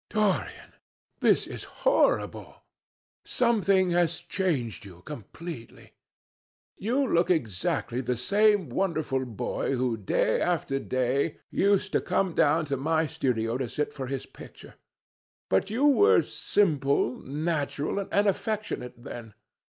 "Dorian, this is horrible! Something has changed you completely. You look exactly the same wonderful boy who, day after day, used to come down to my studio to sit for his picture. But you were simple, natural, and affectionate then.